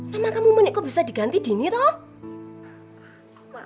nama kamu menik kok bisa diganti dini tom